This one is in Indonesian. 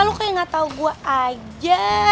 lu kayak gak tau gue aja